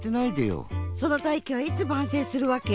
その大器はいつ晩成するわけ？